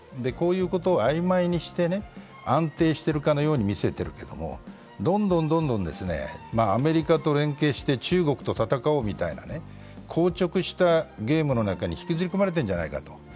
こういうことをあいまいにして、安定してるかのように見せてるけどどんどんアメリカと連携して中国と戦おうみたいな、硬直したゲームの中に引きずり込まれているんじゃないかと。